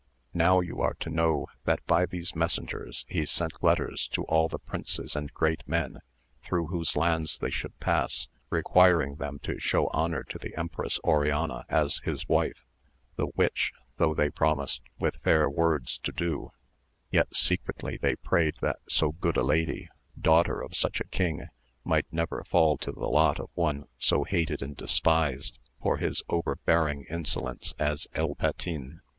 Now you are to know that by these messengers he sent letters to all the princes and great men, through whose lands they should pass, requiring them to show honour to 302 AMADIS OF GAUL. the Empress Oriana as his wife ; the which, though they promised with fair words to do, yet secretly they prayed that so good a lady, daughter of such a king, might never fall to the lot of one so hated and despised for his overbearing insolence as El Patin.